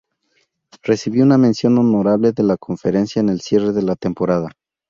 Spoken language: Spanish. Recibió una mención honorable de la conferencia en el cierre de la temporada.